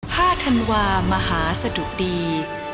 ห้าธันวามหาสดุตรี